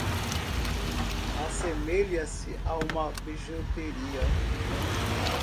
Assemelha-se a uma bijuteria